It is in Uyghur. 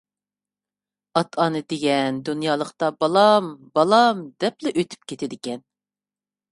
ئاتا-ئانا دېگەن دۇنيالىقتا بالام، بالام دەپلا ئۆتۈپ كېتىدىكەن.